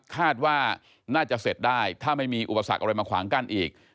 คาดว่าน่าจะเสร็จได้ถ้าไม่มีอุปสรรคอะไรมาขวางกั้นอีก